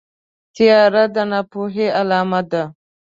تیاره د ناپوهۍ علامه ده.